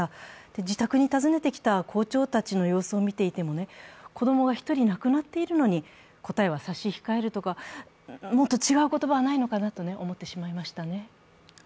自宅に訪ねてきた校長たちの様子を見ていても、子供が１人亡くなっているのに答えは差し控えるとか、もっと違う言葉はないのかなと思ってしまいましたね。